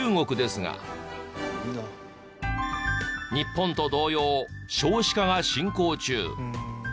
日本と同様少子化が進行中。